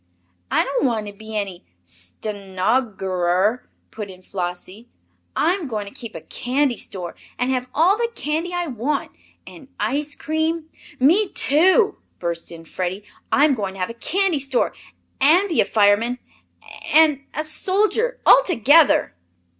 "I don't want to be any sten_o_gerer," put in Flossie. "I'm going to keep a candy store, and have all the candy I want, and ice cream " "Me too!" burst in Freddie. "I'm going to have a candy store, an' be a fireman, an' a soldier, all together!"